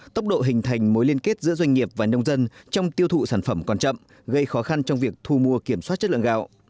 tốc độ hình thành mối liên kết giữa doanh nghiệp và nông dân trong tiêu thụ sản phẩm còn chậm gây khó khăn trong việc thu mua kiểm soát chất lượng gạo